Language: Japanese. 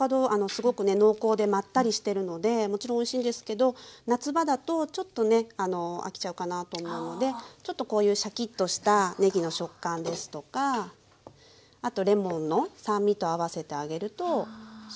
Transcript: すごくね濃厚でまったりしてるのでもちろんおいしいんですけど夏場だとちょっとね飽きちゃうかなと思うのでちょっとこういうシャキッとしたねぎの食感ですとかあとレモンの酸味と合わせてあげるとすごく食べやすいと思います。